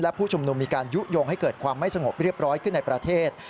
ผู้ชุมนุมมีการยุโยงให้เกิดความไม่สงบเรียบร้อยขึ้นในประเทศ